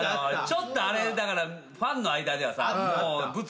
ちょっとあれだからファンの間ではさもう物議。